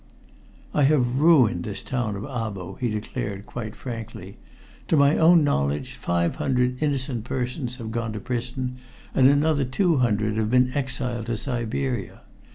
"I have ruined this town of Abo," he declared, quite frankly. "To my own knowledge five hundred innocent persons have gone to prison, and another two hundred have been exiled to Siberia.